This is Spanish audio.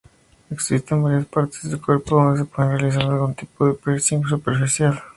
Existen varias partes del cuerpo donde se puede realizar algún tipo de piercing superficial.